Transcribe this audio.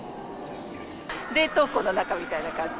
冷凍庫の中みたいな感じ。